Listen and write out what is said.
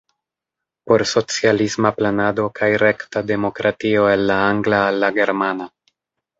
Por socialisma planado kaj rekta demokratio" el la angla al la germana.